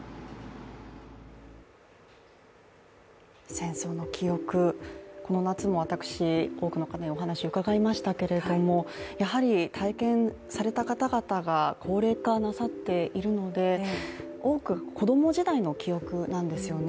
戦争の記憶、この夏も私多くの方にお話を伺いましたけれどもやはり体験された方々が高齢化なさっているので多く、子供時代の記憶なんですよね。